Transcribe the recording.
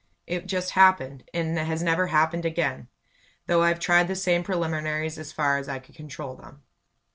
It just happened, and has never happened again, though I've tried the same preliminaries as far as I could control them.